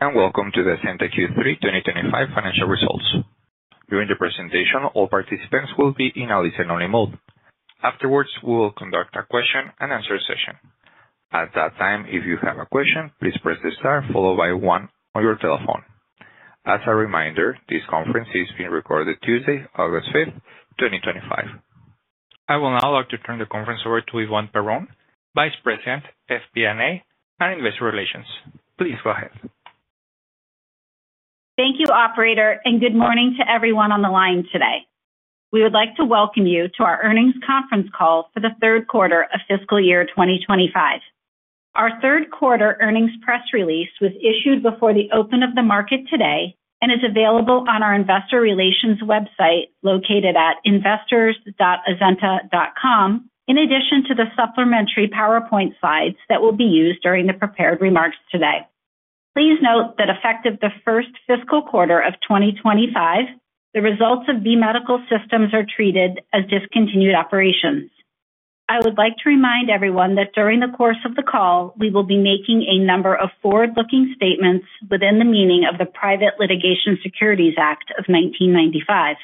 Greetings and welcome to the Azenta Q3 2025 Financial Results. During the presentation, all participants will be in a listen-only mode. Afterwards, we will conduct a question and answer session. At that time, if you have a question, please press the star followed by one on your telephone. As a reminder, this conference is being recorded Tuesday, August 5, 2025. I would now like to turn the conference over to Yvonne Perron, Vice President, FP&A, and Investor Relations. Please go ahead. Thank you, Operator, and good morning to everyone on the line today. We would like to welcome you to our Earnings Conference Call for the Third Quarter of fiscal year 2025. Our third quarter earnings press release was issued before the open of the market today and is available on our Investor Relations website located at investors.azenta.com, in addition to the supplementary PowerPoint slides that will be used during the prepared remarks today. Please note that effective the first fiscal quarter of 2025, the results of B Medical Systems are treated as discontinued operations. I would like to remind everyone that during the course of the call, we will be making a number of forward-looking statements within the meaning of the Private Litigation Securities Act of 1995.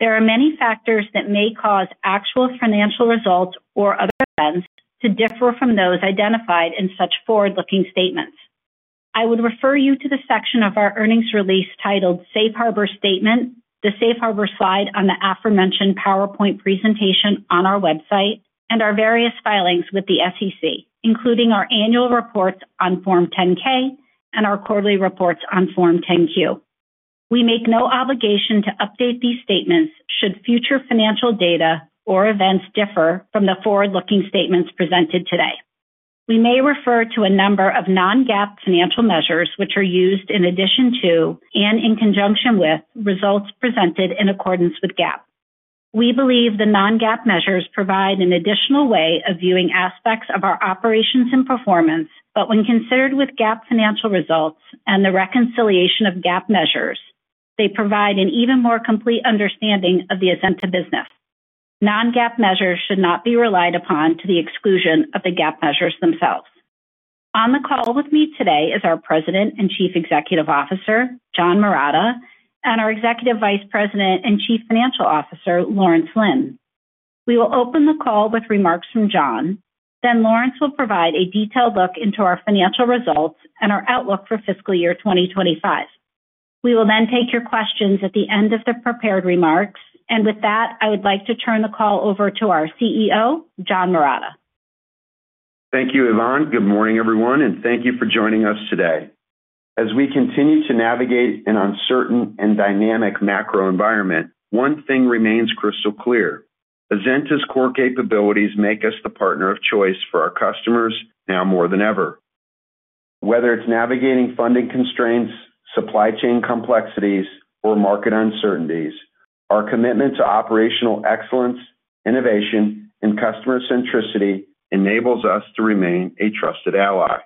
There are many factors that may cause actual financial results or other events to differ from those identified in such forward-looking statements. I would refer you to the section of our earnings release titled Safe Harbor Statement, the Safe Harbor slide on the aforementioned PowerPoint presentation on our website, and our various filings with the SEC, including our annual reports on Form 10-K and our quarterly reports on Form 10-Q. We make no obligation to update these statements should future financial data or events differ from the forward-looking statements presented today. We may refer to a number of non-GAAP financial measures which are used in addition to and in conjunction with results presented in accordance with GAAP. We believe the non-GAAP measures provide an additional way of viewing aspects of our operations and performance, but when considered with GAAP financial results and the reconciliation of GAAP measures, they provide an even more complete understanding of the Azenta business. Non-GAAP measures should not be relied upon to the exclusion of the GAAP measures themselves. On the call with me today is our President and Chief Executive Officer, John Marotta, and our Executive Vice President and Chief Financial Officer, Lawrence Lin. We will open the call with remarks from John, then Lawrence will provide a detailed look into our financial results and our outlook for fiscal year 2025. We will then take your questions at the end of the prepared remarks, and with that, I would like to turn the call over to our CEO, John Marotta. Thank you, Yvonne. Good morning, everyone, and thank you for joining us today. As we continue to navigate an uncertain and dynamic macro-environment, one thing remains crystal clear: Azenta's core capabilities make us the partner of choice for our customers now more than ever. Whether it's navigating funding constraints, supply chain complexities, or market uncertainties, our commitment to operational excellence, innovation, and customer centricity enables us to remain a trusted ally.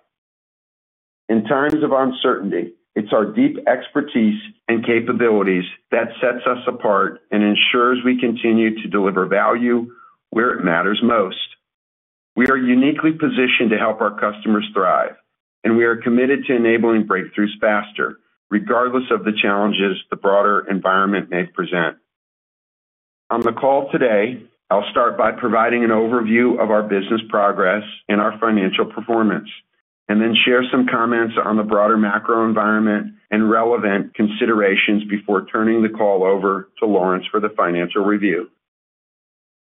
In times of uncertainty, it's our deep expertise and capabilities that set us apart and ensure we continue to deliver value where it matters most. We are uniquely positioned to help our customers thrive, and we are committed to enabling breakthroughs faster, regardless of the challenges the broader environment may present. On the call today, I'll start by providing an overview of our business progress and our financial performance, and then share some comments on the broader macro environment and relevant considerations before turning the call over to Lawrence for the financial review.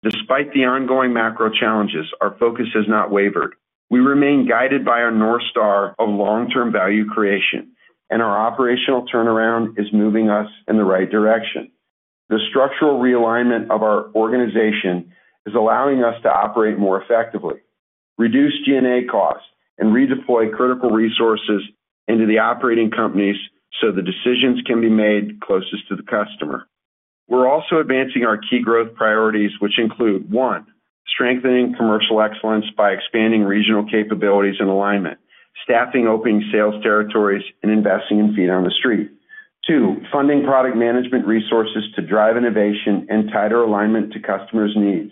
Despite the ongoing macro-challenges, our focus has not wavered. We remain guided by our North Star of long-term value creation, and our operational turnaround is moving us in the right direction. The structural realignment of our organization is allowing us to operate more effectively, reduce G&A costs, and redeploy critical resources into the operating companies so the decisions can be made closest to the customer. We're also advancing our key growth priorities, which include: one, Strengthening Commercial Excellence by expanding regional capabilities and alignment, staffing opening sales territories, and investing in feet on the street; two, Funding Product Management Resources to drive innovation and tighter alignment to customers' needs;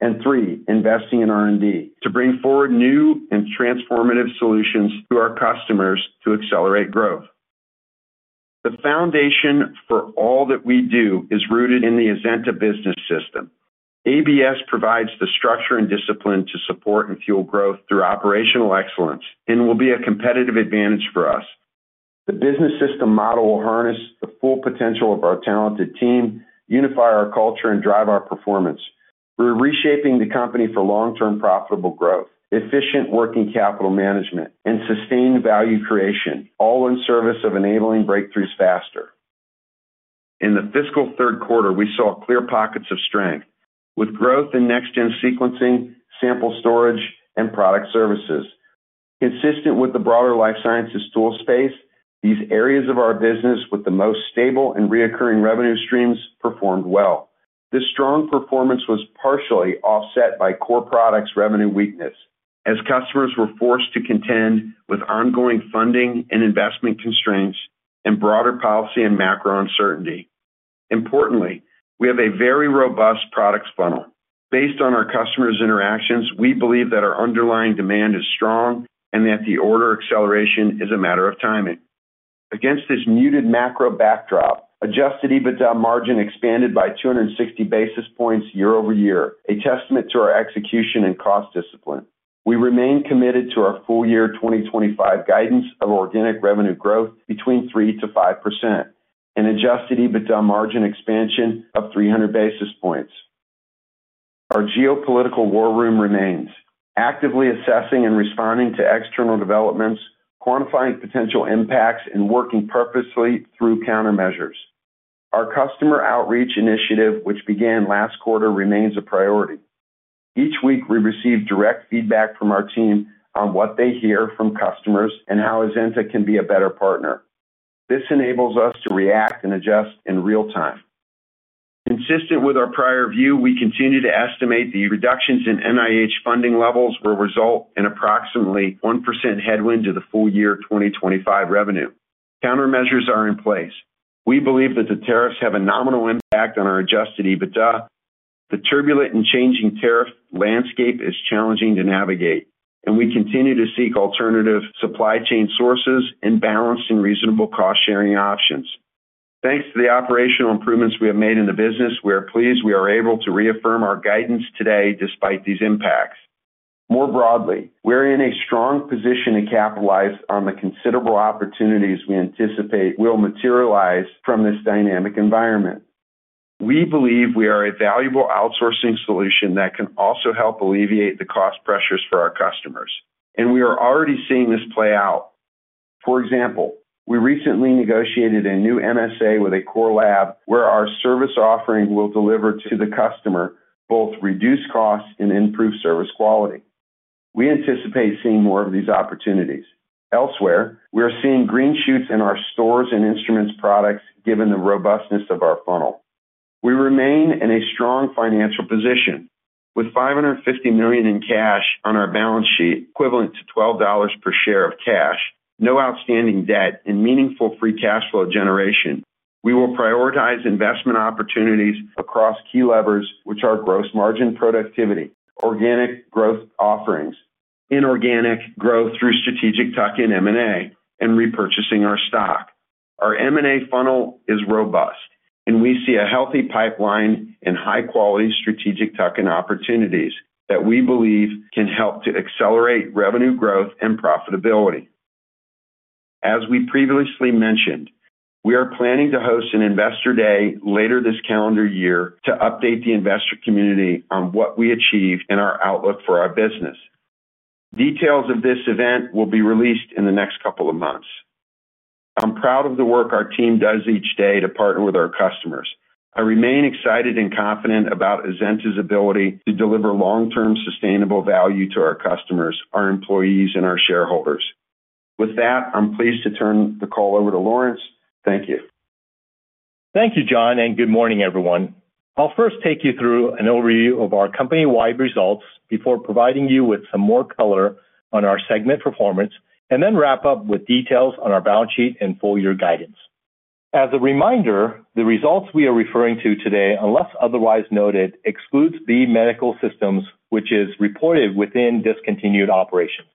and three, Investing in R&D to bring forward new and transformative solutions to our customers to accelerate growth. The foundation for all that we do is rooted in the Azenta Business System. ABS provides the structure and discipline to support and fuel growth through operational excellence and will be a competitive advantage for us. The business system model will harness the full potential of our talented team, unify our culture, and drive our performance. We're reshaping the company for long-term profitable growth, efficient working capital management, and sustained value creation, all in service of enabling breakthroughs faster. In the fiscal third quarter, we saw clear pockets of strength with growth in Next Gen Sequencing, Sample Storage, and Product Services. Consistent with the broader life sciences tool space, these areas of our business with the most stable and reoccurring revenue streams performed well. This strong performance was partially offset by core products' revenue weakness, as customers were forced to contend with ongoing funding and investment constraints and broader policy and macro-uncertainty. Importantly, we have a very robust products funnel. Based on our customers' interactions, we believe that our underlying demand is strong and that the order acceleration is a matter of timing. Against this muted macro-backdrop, adjusted EBITDA margin expanded by 260 basis points year-over-year, a testament to our execution and cost discipline. We remain committed to our full-year 2025 guidance of organic revenue growth between 3%-5% and adjusted EBITDA margin expansion of 300 basis points. Our geopolitical war room remains, actively assessing and responding to external developments, quantifying potential impacts, and working purposefully through countermeasures. Our customer outreach initiative, which began last quarter, remains a priority. Each week, we receive direct feedback from our team on what they hear from customers and how Azenta can be a better partner. This enables us to react and adjust in real time. Consistent with our prior view, we continue to estimate the reductions in NIH funding levels will result in approximately 1% headwind to the full year 2025 revenue. Countermeasures are in place. We believe that the tariffs have a nominal impact on our adjusted EBITDA. The turbulent and changing tariff landscape is challenging to navigate, and we continue to seek alternative supply chain sources and balanced and reasonable cost-sharing options. Thanks to the operational improvements we have made in the business, we are pleased we are able to reaffirm our guidance today despite these impacts. More broadly, we're in a strong position to capitalize on the considerable opportunities we anticipate will materialize from this dynamic environment. We believe we are a valuable outsourcing solution that can also help alleviate the cost pressures for our customers, and we are already seeing this play out. For example, we recently negotiated a new MSA with a core lab where our service offering will deliver to the customer both reduced costs and improved service quality. We anticipate seeing more of these opportunities. Elsewhere, we are seeing green shoots in our stores and Instruments products, given the robustness of our funnel. We remain in a strong financial position, with $550 million in cash on our balance sheet, equivalent to $12/share of cash, no outstanding debt, and meaningful free cash flow generation. We will prioritize investment opportunities across key levers, which are gross margin productivity, organic growth offerings, inorganic growth through strategic tuck-in M&A, and repurchasing our stock. Our M&A funnel is robust, and we see a healthy pipeline and high-quality strategic tuck-in opportunities that we believe can help to accelerate revenue growth and profitability. As we previously mentioned, we are planning to host an Investor Day later this calendar year to update the investor community on what we achieve and our outlook for our business. Details of this event will be released in the next couple of months. I'm proud of the work our team does each day to partner with our customers. I remain excited and confident about Azenta's ability to deliver long-term sustainable value to our customers, our employees, and our shareholders. With that, I'm pleased to turn the call over to Lawrence. Thank you. Thank you, John, and good morning, everyone. I'll first take you through an overview of our company-wide results before providing you with some more color on our segment performance, and then wrap up with details on our balance sheet and full-year guidance. As a reminder, the results we are referring to today, unless otherwise noted, exclude B Medical Systems, which is reported within discontinued operations.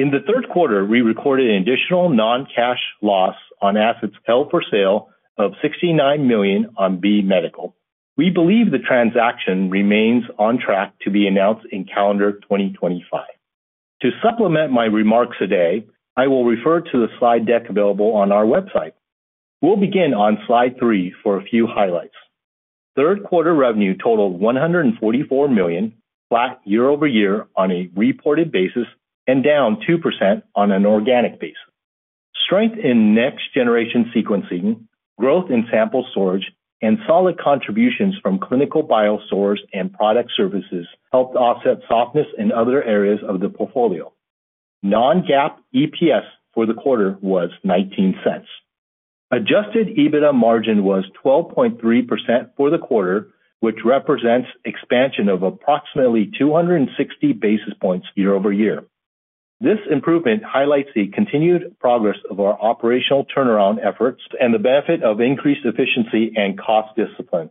In the third quarter, we recorded an additional non-cash loss on assets held for sale of $69 million on B Medical. We believe the transaction remains on track to be announced in calendar 2025. To supplement my remarks today, I will refer to the slide deck available on our website. We'll begin on slide three for a few highlights. Third quarter revenue totaled $144 million, flat year-over-year on a reported basis, and down 2% on an organic basis. Strength in Next Generation Sequencing, growth in Sample Storage, and solid contributions from Clinical Biosource and Product Services helped offset softness in other areas of the portfolio. Non-GAAP EPS for the quarter was $0.19. Adjusted EBITDA margin was 12.3% for the quarter, which represents expansion of approximately 260 basis points year-over-year. This improvement highlights the continued progress of our operational turnaround efforts and the benefit of increased efficiency and cost discipline.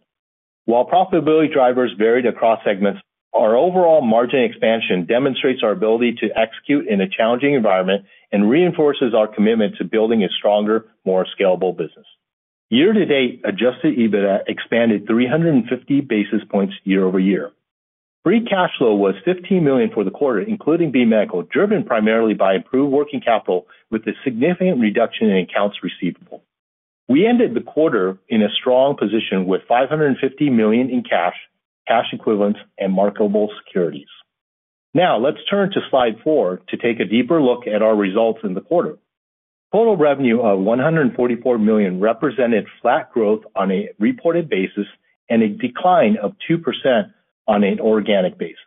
While profitability drivers varied across segments, our overall margin expansion demonstrates our ability to execute in a challenging environment and reinforces our commitment to building a stronger, more scalable business. Year-to-date, adjusted EBITDA expanded 350 basis points year-over-year. Free cash flow was $15 million for the quarter, including B Medical, driven primarily by improved working capital, with a significant reduction in accounts receivable. We ended the quarter in a strong position with $550 million in cash, cash equivalents, and marketable securities. Now, let's turn to slide four to take a deeper look at our results in the quarter. Total revenue of $144 million represented flat growth on a reported basis and a decline of 2% on an organic basis.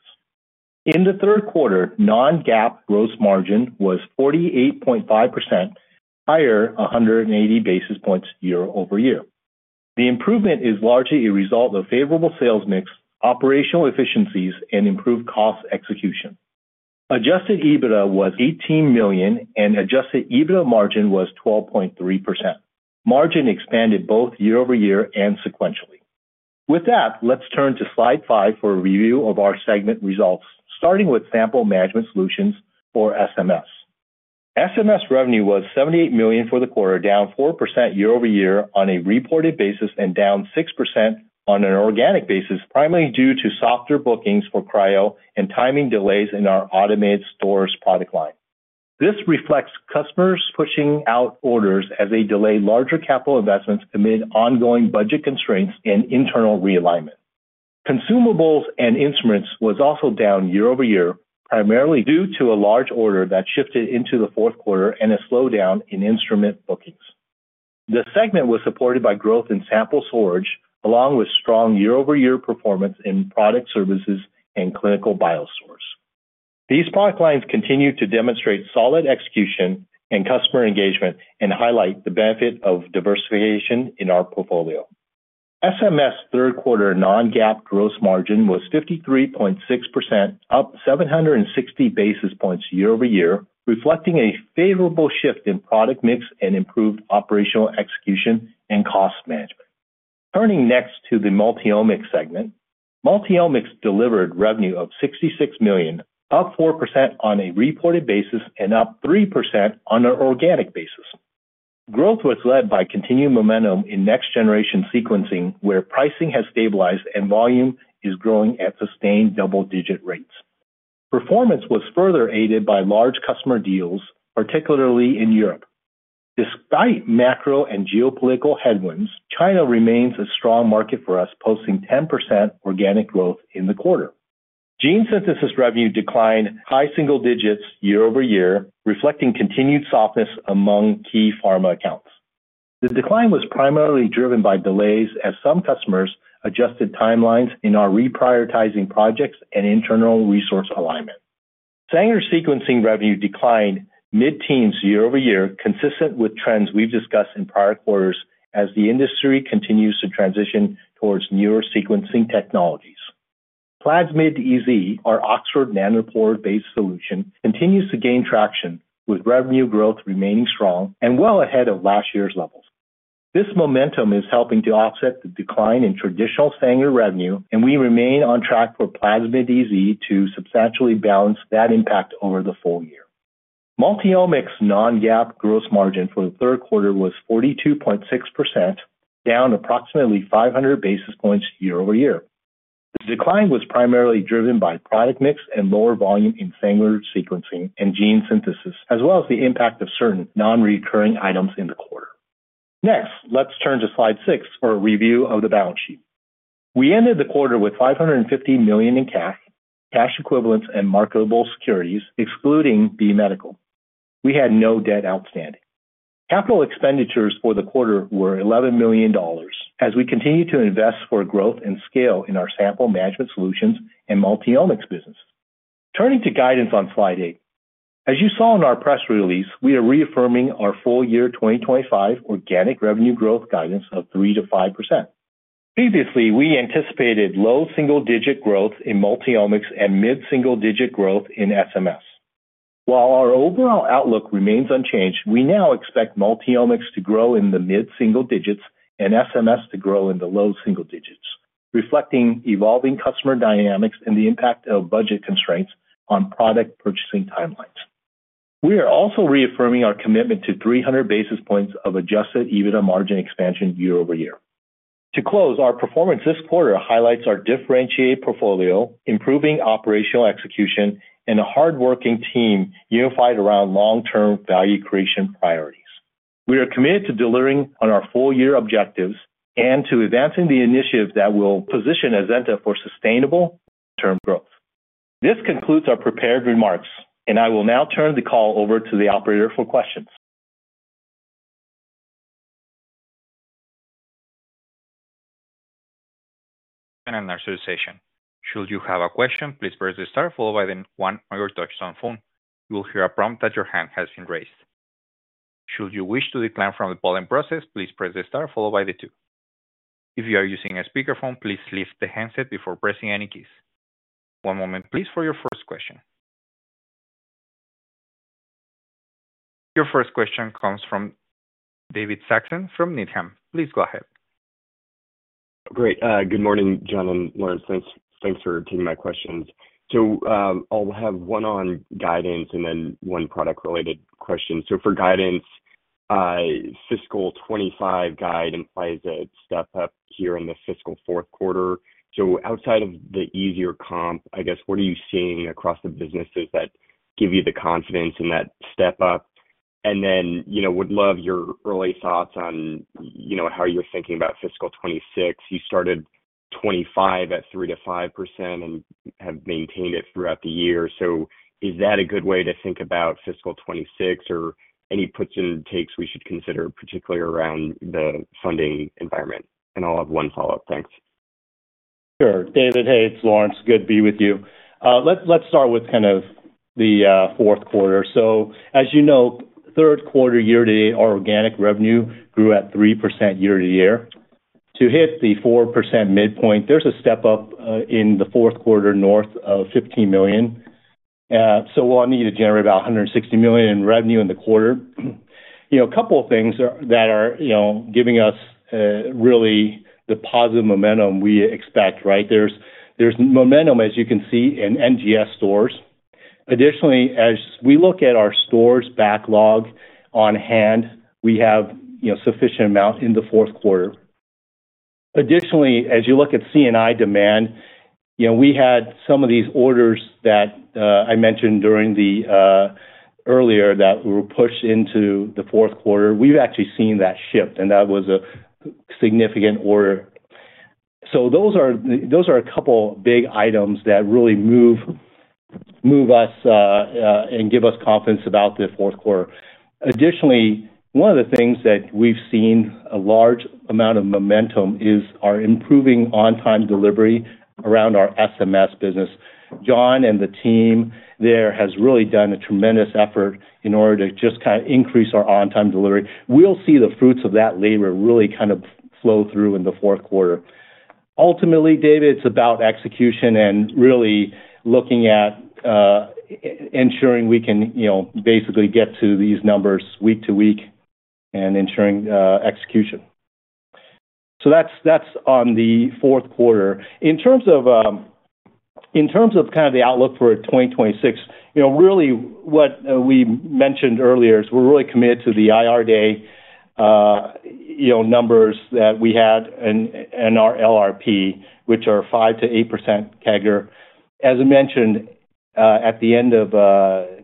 In the third quarter, non-GAAP gross margin was 48.5%, higher 180 basis points year-over-year. The improvement is largely a result of favorable sales mix, operational efficiencies, and improved cost execution. Adjusted EBITDA was $18 million, and adjusted EBITDA margin was 12.3%. Margin expanded both year-over-year and sequentially. With that, let's turn to slide five for a review of our segment results, starting with Sample Management Solutions or SMS. SMS revenue was $78 million for the quarter, down 4% year-over-year on a reported basis and down 6% on an organic basis, primarily due to softer bookings for cryo and timing delays in our automated stores product line. This reflects customers pushing out orders as they delay larger capital investments amid ongoing budget constraints and internal realignment. Consumables and Instruments were also down year-over-year, primarily due to a large order that shifted into the fourth quarter and a slowdown in instrument bookings. The segment was supported by growth in Sample Storage, along with strong year-over-year performance in Product Services and Clinical Biosource. These product lines continue to demonstrate solid execution and customer engagement and highlight the benefit of diversification in our portfolio. SMS's third quarter non-GAAP gross margin was 53.6%, up 760 basis points year-over-year, reflecting a favorable shift in product mix and improved operational execution and cost management. Turning next to the Multiomics segment, Multiomics delivered revenue of $66 million, up 4% on a reported basis and up 3% on an organic basis. Growth was led by continued momentum in Next Generation Sequencing, where pricing has stabilized and volume is growing at sustained double-digit rates. Performance was further aided by large customer deals, particularly in Europe. Despite macro and geopolitical headwinds, China remains a strong market for us, posting 10% organic growth in the quarter. Gene synthesis revenue declined high single-digits year-over-year, reflecting continued softness among key pharma accounts. The decline was primarily driven by delays, as some customers adjusted timelines and are reprioritizing projects and internal resource alignment. Sanger sequencing revenue declined mid-teens year-over-year, consistent with trends we've discussed in prior quarters as the industry continues to transition towards newer sequencing technologies. Plasmid-EZ, our Oxford Nanopore-based solution, continues to gain traction, with revenue growth remaining strong and well ahead of last year's levels. This momentum is helping to offset the decline in traditional Sanger revenue, and we remain on track for Plasmid-EZ to substantially balance that impact over the full year. Multiomics non-GAAP gross margin for the third quarter was 42.6%, down approximately 500 basis points year-over-year. The decline was primarily driven by product mix and lower volume in Sanger sequencing and gene synthesis, as well as the impact of certain non-recurring items in the quarter. Next, let's turn to slide six for a review of the balance sheet. We ended the quarter with $550 million in cash, cash equivalents, and marketable securities, excluding B Medical. We had no debt outstanding. Capital expenditures for the quarter were $11 million, as we continue to invest for growth and scale in our Sample Management Solutions and Multiomics business. Turning to guidance on slide eight. As you saw in our press release, we are reaffirming our full-year 2025 organic revenue growth guidance of 3%-5%. Previously, we anticipated low single-digit growth in Multiomics and mid-single-digit growth in SMS. While our overall outlook remains unchanged, we now expect Multiomics to grow in the mid-single digits and SMS to grow in the low single-digits, reflecting evolving customer dynamics and the impact of budget constraints on product purchasing timelines. We are also reaffirming our commitment to 300 basis points of adjusted EBITDA margin expansion year-over-year. To close, our performance this quarter highlights our differentiated portfolio, improving operational execution, and a hardworking team unified around long-term value creation priorities. We are committed to delivering on our full-year objectives and to advancing the initiative that will position Azenta for sustainable long-term growth. This concludes our prepared remarks, and I will now turn the call over to the Operator for questions. Should you have a question, please press the star followed by the one on your touch-tone phone. You will hear a prompt that your hand has been raised. Should you wish to decline from the polling process, please press the star followed by the two. If you are using a speakerphone, please lift the headset before pressing any keys. One moment, please, for your first question. Your first question comes from David Saxon from Needham. Please go ahead. Great. Good morning, John and Lawrence. Thanks for taking my questions. I'll have one on guidance and then one product-related question. For guidance, fiscal 2025 guide implies a step up here in the fiscal fourth quarter. Outside of the easier comp, what are you seeing across the businesses that give you the confidence in that step up? Would love your early thoughts on how you're thinking about fiscal 2026. You started 2025 at 3%-5% and have maintained it throughout the year. Is that a good way to think about fiscal 2026 or any puts and takes we should consider, particularly around the funding environment? I'll have one follow-up. Thanks. Sure. David, hey, it's Lawrence. Good to be with you. Let's start with kind of the fourth quarter. As you note, third quarter year-to-date organic revenue grew at 3% year-to-year. To hit the 4% midpoint, there's a step up in the fourth quarter north of $15 million. We'll need to generate about $160 million in revenue in the quarter. A couple of things that are giving us really the positive momentum we expect, right? There's momentum, as you can see, in NGS stores. Additionally, as we look at our stores backlog on hand, we have a sufficient amount in the fourth quarter. Additionally, as you look at CNI demand, we had some of these orders that I mentioned earlier that were pushed into the fourth quarter. We've actually seen that shift, and that was a significant order. Those are a couple of big items that really move us and give us confidence about the fourth quarter. Additionally, one of the things that we've seen a large amount of momentum is our improving on-time delivery around our SMS business. John and the team there have really done a tremendous effort in order to just kind of increase our on-time delivery. We'll see the fruits of that labor really kind of flow through in the fourth quarter. Ultimately, David, it's about execution and really looking at ensuring we can basically get to these numbers week to week and ensuring execution. That's on the fourth quarter. In terms of kind of the outlook for 2026, really what we mentioned earlier is we're really committed to the IR Day numbers that we had and our LRP, which are 5%-8% CAGR. As I mentioned, at the end of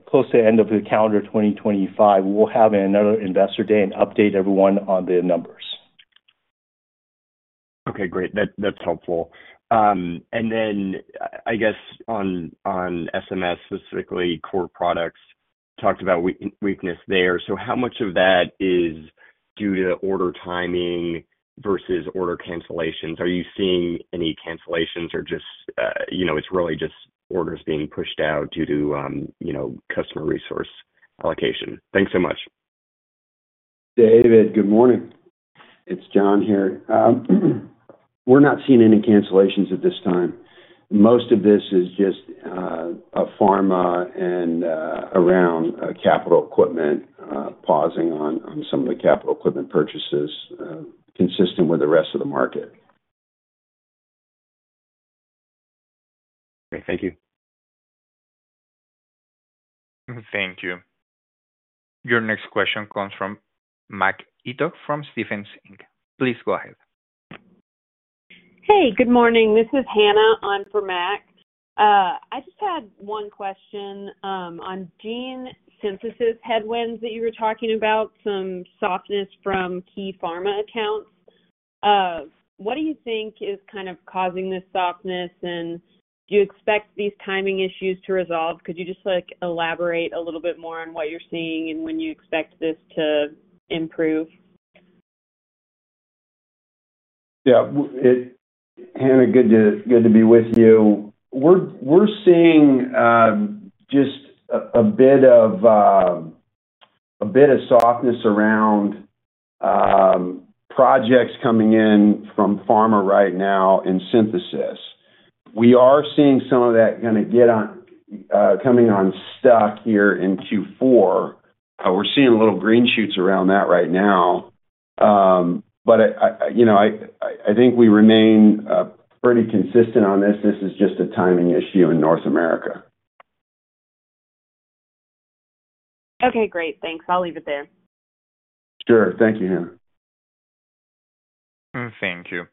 close to the end of the calendar 2025, we'll have another Investor Day and update everyone on the numbers. Okay, great. That's helpful. On SMS specifically, core products talked about weakness there. How much of that is due to order timing vs order cancellations? Are you seeing any cancellations or just, you know, it's really just orders being pushed out due to, you know, customer resource allocation? Thanks so much. David, good morning. It's John here. We're not seeing any cancellations at this time. Most of this is just pharma and around capital equipment, pausing on some of the capital equipment purchases, consistent with the rest of the market. Great, thank you. Thank you. Your next question comes from Mark Steenhoek from Stephens Group. Please go ahead. Hey, good morning. This is Hannah on for Mark. I just had one question on gene synthesis headwinds that you were talking about, some softness from key pharma accounts. What do you think is kind of causing this softness, and do you expect these timing issues to resolve? Could you just elaborate a little bit more on what you're seeing and when you expect this to improve? Yeah. Hannah, good to be with you. We're seeing just a bit of softness around projects coming in from pharma right now in synthesis. We are seeing some of that kind of get on coming on stock here in Q4. We're seeing little green shoots around that right now. I think we remain pretty consistent on this. This is just a timing issue in North America. Okay, great. Thanks. I'll leave it there. Sure. Thank you, Hannah. Thank you.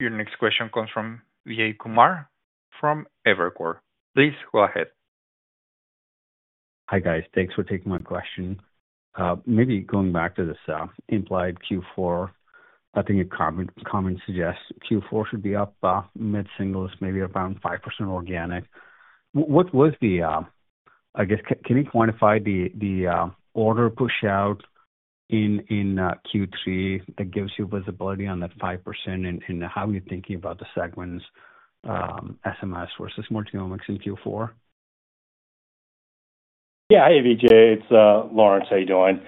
Your next question comes from Vijay Kumar from Evercore. Please go ahead. Hi, guys. Thanks for taking my question. Maybe going back to this implied Q4, I think a comment suggests Q4 should be up mid-singles, maybe around 5% organic. What was the, I guess, can you quantify the order push-out in Q3 that gives you visibility on that 5% and how you're thinking about the segments, SMS vs Multiomics in Q4? Yeah, hey, Vijay. It's Lawrence. How you doing?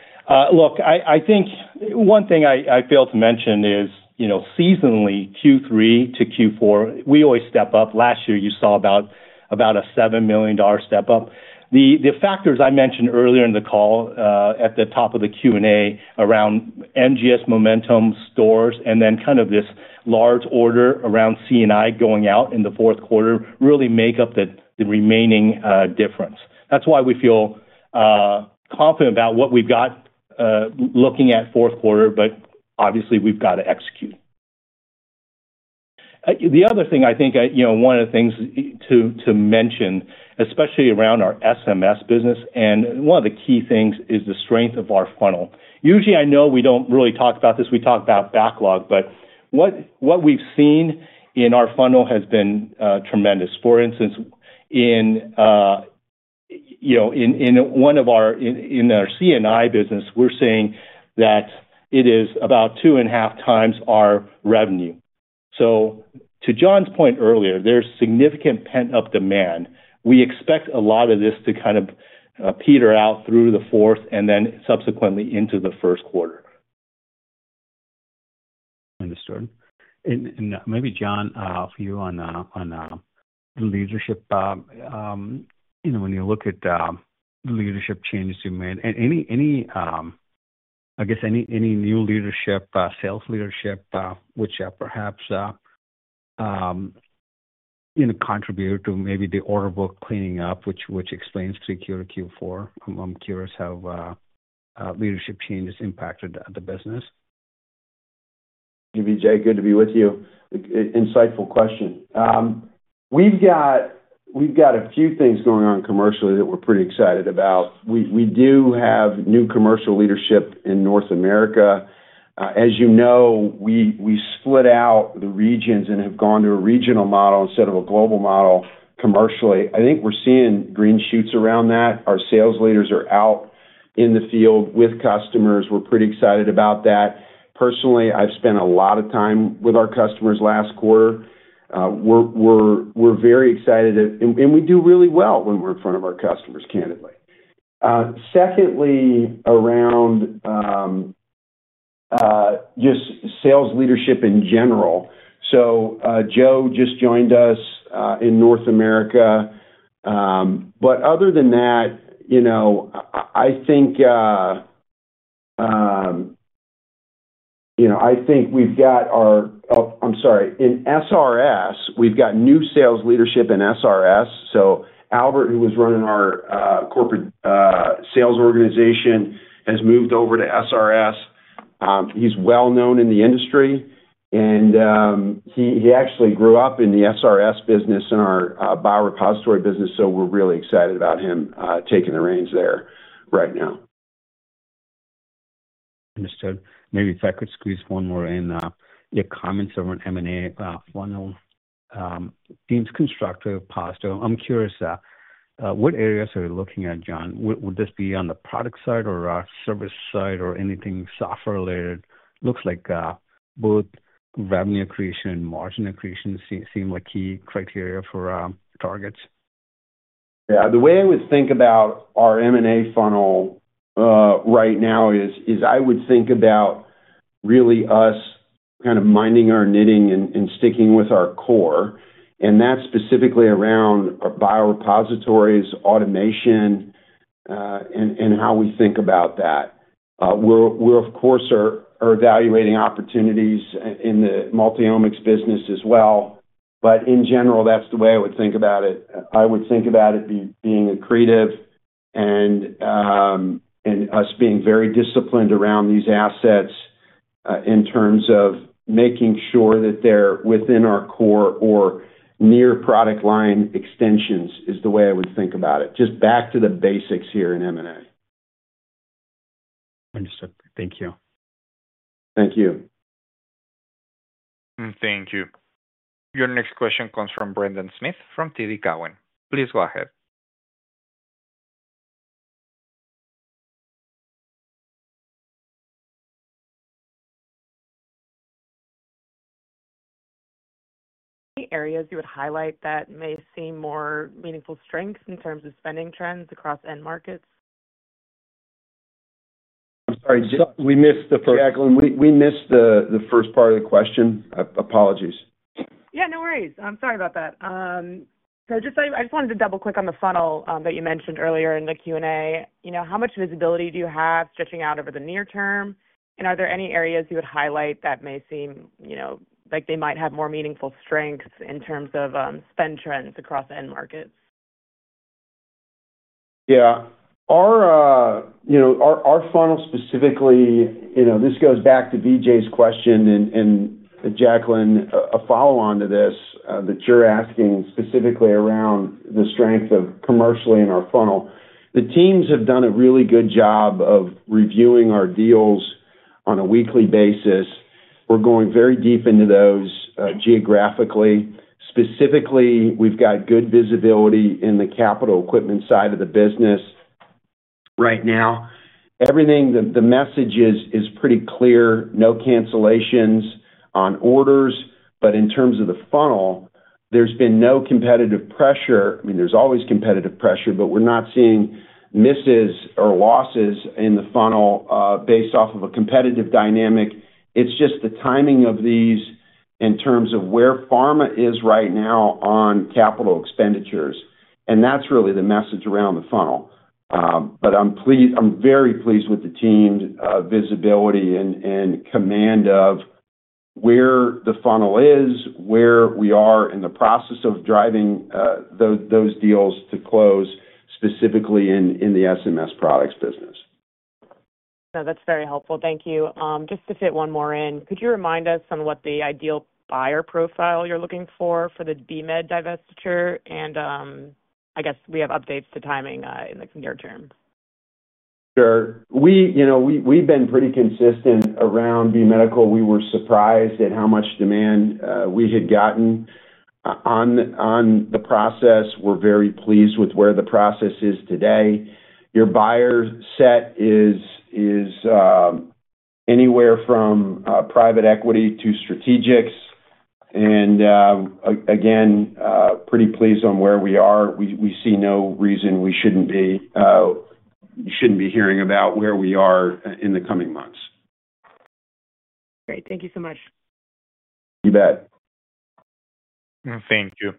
Look, I think one thing I failed to mention is, you know, seasonally, Q3-Q4, we always step up. Last year, you saw about a $7 million step up. The factors I mentioned earlier in the call at the top of the Q&A around NGS momentum stores and then kind of this large order around CNI going out in the fourth quarter really make up the remaining difference. That's why we feel confident about what we've got looking at fourth quarter, but obviously, we've got to execute. The other thing I think, you know, one of the things to mention, especially around our SMS business, and one of the key things is the strength of our funnel. Usually, I know we don't really talk about this. We talk about backlog, but what we've seen in our funnel has been tremendous. For instance, in one of our, in our CNI business, we're seeing that it is about 2.5x our revenue. To John's point earlier, there's significant pent-up demand. We expect a lot of this to kind of peter out through the fourth and then subsequently into the first quarter. Understood. Maybe, John, for you on leadership, when you look at the leadership changes you made, and any, I guess, any new leadership, sales leadership, which perhaps contribute to maybe the order book cleaning up, which explains through Q2-Q4. I'm curious, have leadership changes impacted the business? Hey, VJ. Good to be with you. Insightful question. We've got a few things going on commercially that we're pretty excited about. We do have new commercial leadership in North America. As you know, we split out the regions and have gone to a regional model instead of a global model commercially. I think we're seeing green shoots around that. Our sales leaders are out in the field with customers. We're pretty excited about that. Personally, I've spent a lot of time with our customers last quarter. We're very excited, and we do really well when we're in front of our customers, candidly. Secondly, around just sales leadership in general. Joe just joined us in North America. Other than that, I think we've got our, I'm sorry, in SRS, we've got new sales leadership in SRS. Albert, who was running our corporate sales organization, has moved over to SRS. He's well known in the industry, and he actually grew up in the SRS business in our biorepositories business. We're really excited about him taking the reins there right now. Understood. Maybe if I could squeeze one more in, your comments over an M&A funnel seem constructive, positive. I'm curious, what areas are we looking at, John? Would this be on the product side or service side or anything software-related? Looks like both revenue accretion and margin accretion seem like key criteria for targets. Yeah. The way I would think about our M&A funnel right now is I would think about really us kind of minding our knitting and sticking with our core, and that's specifically around our biorepositories, automation, and how we think about that. We're, of course, evaluating opportunities in the Multiomics business as well. In general, that's the way I would think about it. I would think about it being accretive and us being very disciplined around these assets in terms of making sure that they're within our core or near product line extensions is the way I would think about it. Just back to the basics here in M&A. Understood. Thank you. Thank you. Thank you. Your next question comes from Brendan Smith from TD Cowen. Please go ahead. -areas you would highlight that may seem more meaningful strengths in terms of spending trends across end markets? Sorry, we missed the first part of the question. Apologies. No worries. I'm sorry about that. I just wanted to double-click on the funnel that you mentioned earlier in the Q&A. How much visibility do you have stretching out over the near term? Are there any areas you would highlight that may seem like they might have more meaningful strengths in terms of spend trends across end markets? Yeah. Our funnel specifically, this goes back to Vijay's question and Jacqueline, a follow-on to this, that you're asking specifically around the strength of commercially in our funnel. The teams have done a really good job of reviewing our deals on a weekly basis. We're going very deep into those geographically. Specifically, we've got good visibility in the capital equipment side of the business right now. Everything, the message is pretty clear. No cancellations on orders. In terms of the funnel, there's been no competitive pressure. I mean, there's always competitive pressure, but we're not seeing misses or losses in the funnel based off of a competitive dynamic. It's just the timing of these in terms of where pharma is right now on capital expenditures. That's really the message around the funnel. I'm pleased, I'm very pleased with the team's visibility and command of where the funnel is, where we are in the process of driving those deals to close, specifically in the SMS products business. No, that's very helpful. Thank you. Just to fit one more in, could you remind us on what the ideal buyer profile you're looking for for the B Med divestiture? I guess we have updates to timing in the near term. Sure. We've been pretty consistent around B Medical. We were surprised at how much demand we had gotten on the process. We're very pleased with where the process is today. Your buyer set is anywhere from private equity to strategics. We're pretty pleased on where we are. We see no reason we shouldn't be hearing about where we are in the coming months. Great. Thank you so much. You bet. Thank you.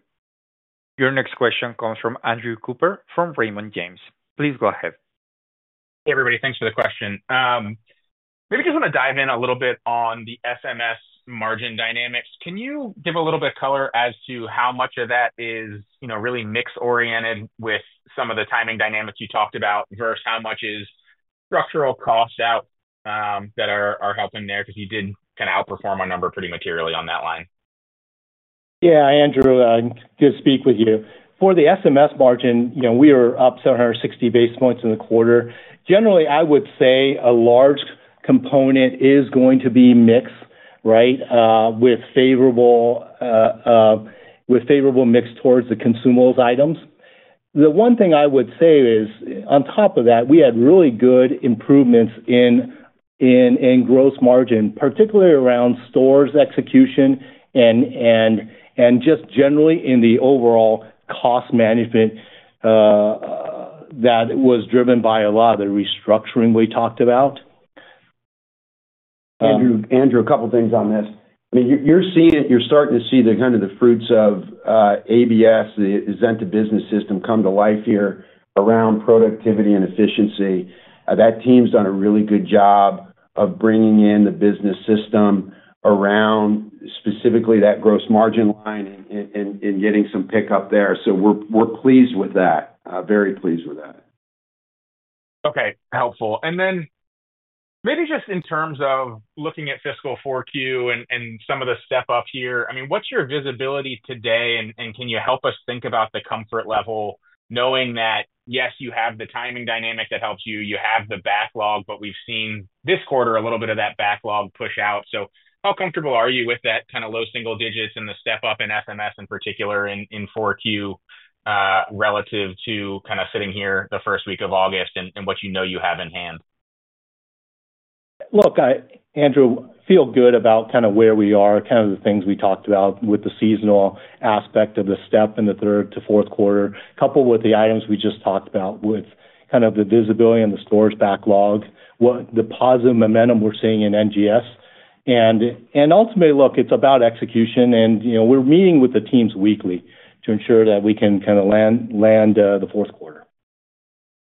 Your next question comes from Andrew Cooper from Raymond James. Please go ahead. Hey, everybody. Thanks for the question. Maybe I just want to dive in a little bit on the SMS margin dynamics. Can you give a little bit of color as to how much of that is really mix-oriented with some of the timing dynamics you talked about vs how much is structural cost out that are helping there, because you did kind of outperform a number pretty materially on that line? Yeah, Andrew. Good to speak with you. For the SMS margin, you know, we are up 760 basis points in the quarter. Generally, I would say a large component is going to be mix, right, with favorable mix towards the Consumables items. The one thing I would say is, on top of that, we had really good improvements in gross margin, particularly around stores execution and just generally in the overall cost management that was driven by a lot of the restructuring we talked about. Andrew, a couple of things on this. I mean, you're seeing it, you're starting to see the kind of the fruits of ABS, the Azenta Business System, come to life here around productivity and efficiency. That team's done a really good job of bringing in the business system around specifically that gross margin line and getting some pickup there. We're pleased with that. Very pleased with that. Okay, helpful. Maybe just in terms of looking at fiscal 4Q and some of the step up here, what's your visibility today and can you help us think about the comfort level knowing that, yes, you have the timing dynamic that helps you, you have the backlog, but we've seen this quarter a little bit of that backlog push out. How comfortable are you with that kind of low single-digits and the step up in SMS in particular in 4Q relative to kind of sitting here the first week of August and what you know you have in hand? Look, Andrew, I feel good about kind of where we are, the things we talked about with the seasonal aspect of the step in the third to fourth quarter, coupled with the items we just talked about with the visibility on the stores backlog, the positive momentum we're seeing in NGS. Ultimately, it's about execution, and we're meeting with the teams weekly to ensure that we can land the fourth quarter.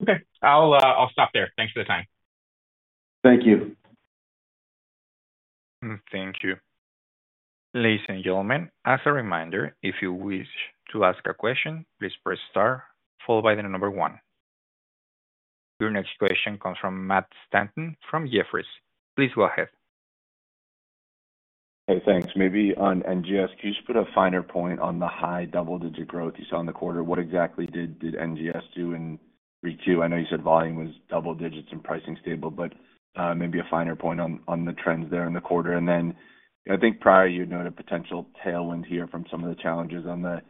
Okay, I'll stop there. Thanks for the time. Thank you. Thank you. Ladies and gentlemen, as a reminder, if you wish to ask a question, please press star followed by the number one. Your next question comes from Matt Stanton from Jefferies. Please go ahead. Hey, thanks. Maybe on NGS, could you just put a finer point on the high double-digit growth you saw in the quarter? What exactly did NGS do in Q3? I know you said volume was double-digits and pricing stable, but maybe a finer point on the trends there in the quarter. I think prior you had noted a potential tailwind here from some of the challenges on the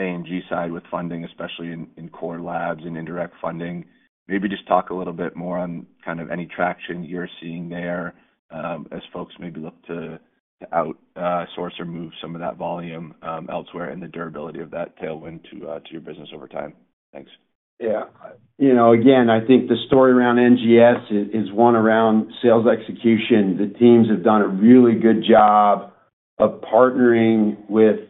A&G side with funding, especially in core labs and indirect funding. Maybe just talk a little bit more on kind of any traction you're seeing there as folks maybe look to outsource or move some of that volume elsewhere and the durability of that tailwind to your business over time. Thanks. Yeah, you know, again, I think the story around NGS is one around sales execution. The teams have done a really good job of partnering with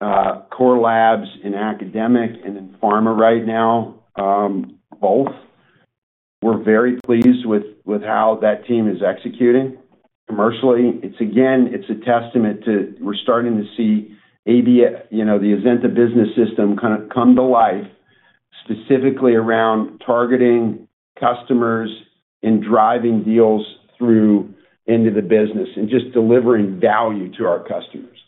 core labs in academic and in pharma right now, both. We're very pleased with how that team is executing. Commercially, it's again, it's a testament to we're starting to see, you know, the Azenta Business System kind of come to life, specifically around targeting customers and driving deals through into the business and just delivering value to our customers.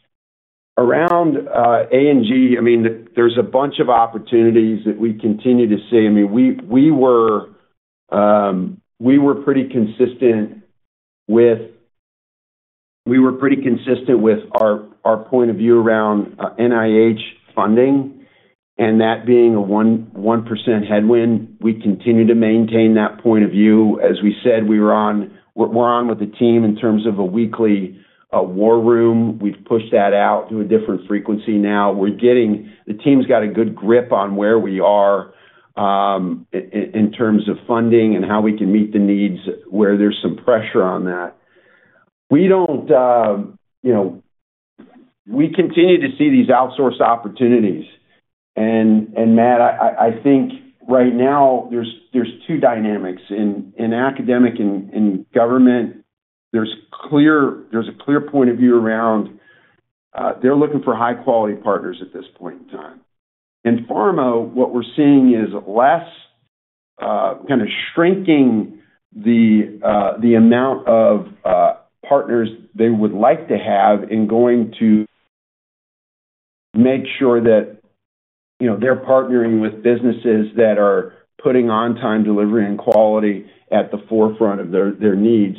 Around A&G, I mean, there's a bunch of opportunities that we continue to see. We were pretty consistent with our point of view around NIH funding and that being a 1% headwind. We continue to maintain that point of view. As we said, we're on with the team in terms of a weekly war room. We've pushed that out to a different frequency now. The team's got a good grip on where we are in terms of funding and how we can meet the needs where there's some pressure on that. We continue to see these outsource opportunities. Matt, I think right now there's two dynamics in academic and government. There's a clear point of view around they're looking for high-quality partners at this point in time. In pharma, what we're seeing is less kind of shrinking the amount of partners they would like to have and going to make sure that, you know, they're partnering with businesses that are putting on-time delivery and quality at the forefront of their needs.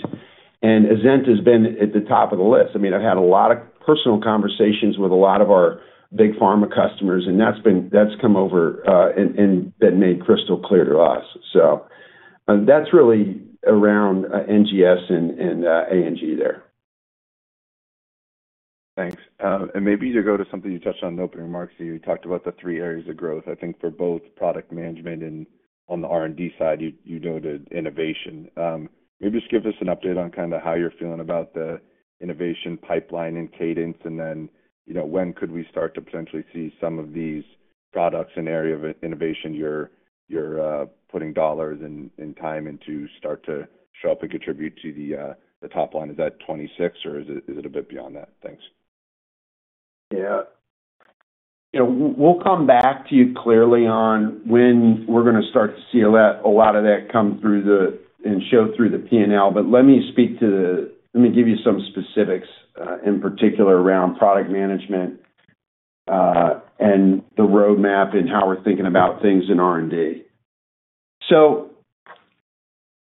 Azenta has been at the top of the list. I've had a lot of personal conversations with a lot of our big pharma customers, and that's come over and been made crystal clear to us. That's really around NGS and A&G there. Thanks. Maybe to go to something you touched on in opening remarks, you talked about the three areas of growth. I think for both product management and on the R&D side, you noted innovation. Maybe just give us an update on kind of how you're feeling about the innovation pipeline and cadence, and then, you know, when could we start to potentially see some of these products in the area of innovation you're putting dollars and time into start to show up and contribute to the top line? Is that 2026 or is it a bit beyond that? Thanks. Yeah. We'll come back to you clearly on when we're going to start to see a lot of that come through and show through the P&L, but let me speak to the specifics in particular around product management and the roadmap and how we're thinking about things in R&D.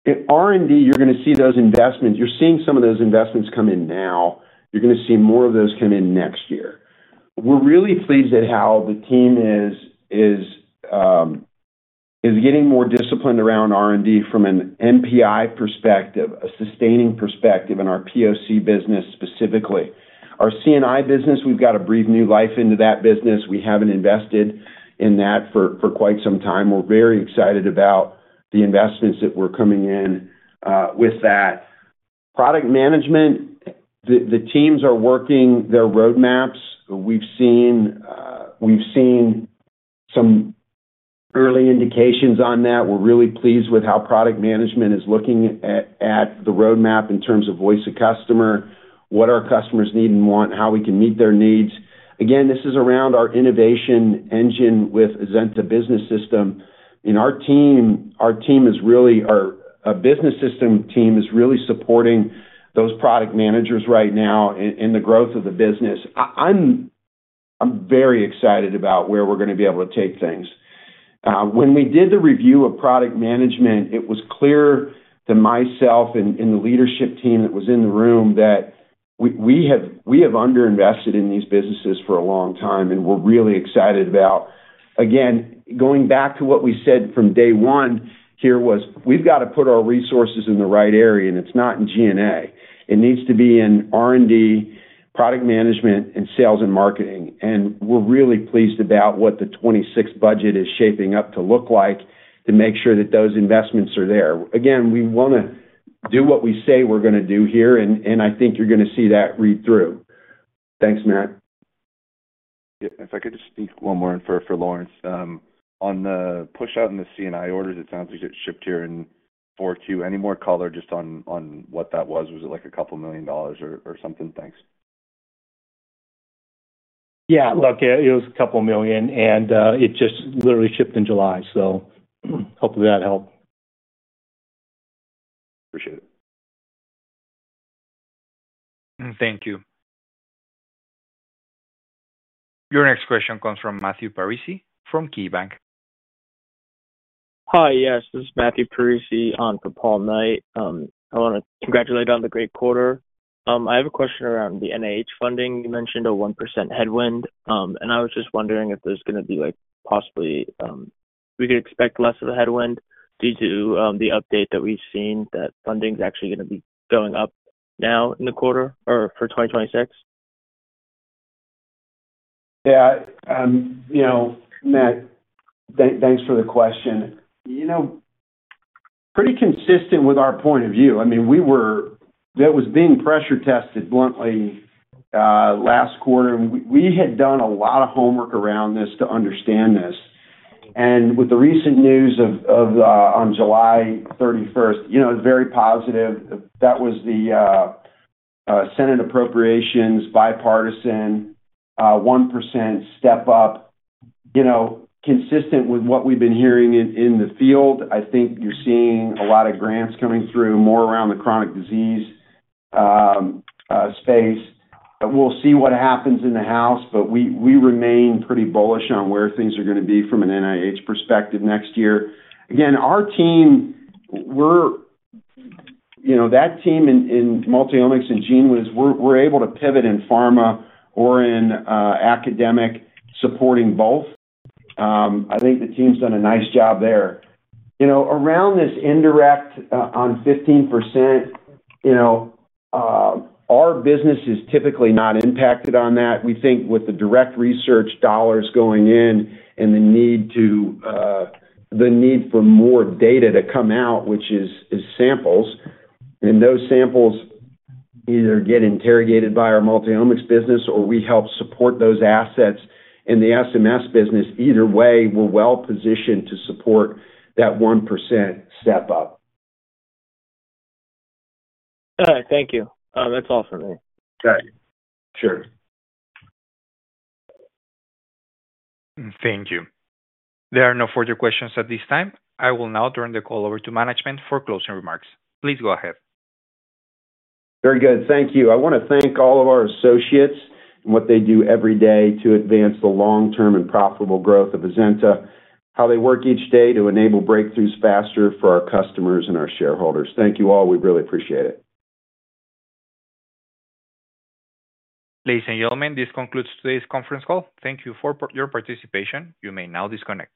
In R&D, you're going to see those investments. You're seeing some of those investments come in now. You're going to see more of those come in next year. We're really pleased at how the team is getting more disciplined around R&D from an NPI perspective, a sustaining perspective in our POC business specifically. Our CNI business, we've got a brief new life into that business. We haven't invested in that for quite some time. We're very excited about the investments that we're coming in with that. Product management, the teams are working their roadmaps. We've seen some early indications on that. We're really pleased with how product management is looking at the roadmap in terms of voice of customer, what our customers need and want, and how we can meet their needs. This is around our innovation engine with Azenta Business System. Our team, our business system team is really supporting those product managers right now in the growth of the business. I'm very excited about where we're going to be able to take things. When we did the review of product management, it was clear to myself and the leadership team that was in the room that we have underinvested in these businesses for a long time, and we're really excited about, again, going back to what we said from day one here was we've got to put our resources in the right area, and it's not in G&A. It needs to be in R&D, product management, and sales and marketing. We're really pleased about what the 2026 budget is shaping up to look like to make sure that those investments are there. We want to do what we say we're going to do here, and I think you're going to see that read through. Thanks, Matt. Yeah, if I could just sneak one more in for Lawrence. On the push-out in the CNI orders, it sounds like it shipped here in Q4. Any more color just on what that was? Was it like a couple million dollars or something? Thanks. Yeah, look, it was a couple million, and it just literally shipped in July. Hopefully, that helped. Appreciate it. Thank you. Your next question comes from Matthew Parisi from KeyBanc. Hi, yes, this is Matthew Parisi on for Paul Knight. I want to congratulate you on the great quarter. I have a question around the NIH funding. You mentioned a 1% headwind, and I was just wondering if there's going to be, like, possibly, we could expect less of a headwind due to the update that we've seen that funding is actually going to be going up now in the quarter or for 2026. Yeah, you know, Matt, thanks for the question. Pretty consistent with our point of view. That was being pressure tested bluntly last quarter, and we had done a lot of homework around this to understand this. With the recent news on July 31, it was very positive. That was the Senate appropriations, bipartisan, 1% step up, consistent with what we've been hearing in the field. I think you're seeing a lot of grants coming through more around the chronic disease space. We'll see what happens in the House, but we remain pretty bullish on where things are going to be from an NIH perspective next year. Again, our team, that team in Multiomics and gene was able to pivot in pharma or in academic, supporting both. I think the team's done a nice job there. Around this indirect on 15%, our business is typically not impacted on that. We think with the direct research dollars going in and the need for more data to come out, which is samples, and those samples either get interrogated by our Multiomics business or we help support those assets in the SMS business. Either way, we're well positioned to support that 1% step up. All right. Thank you. That's all for me. Okay. Sure. Thank you. There are no further questions at this time. I will now turn the call over to management for closing remarks. Please go ahead. Very good. Thank you. I want to thank all of our associates and what they do every day to advance the long-term and profitable growth of Azenta, how they work each day to enable breakthroughs faster for our customers and our shareholders. Thank you all. We really appreciate it. Ladies and gentlemen, this concludes today's conference call. Thank you for your participation. You may now disconnect.